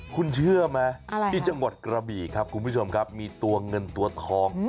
คุณเชื่อไหมที่จังหวัดกระบี่ครับคุณผู้ชมครับมีตัวเงินตัวทอง